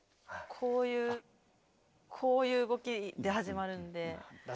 こういうこういう動きで始まるんで。